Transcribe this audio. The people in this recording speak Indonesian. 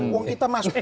uang kita masuk